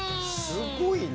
すごいな。